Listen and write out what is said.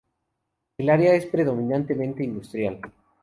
El área es predominantemente industrial.